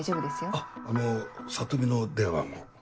あっあの里美の電話番号。